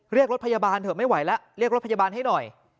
เรียกรถพยาบาลเถอะไม่ไหวแล้วเรียกรถพยาบาลให้หน่อย